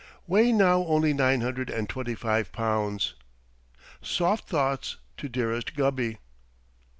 Weigh now only nine hundred and twenty five pounds. Soft thoughts to dearest Gubby.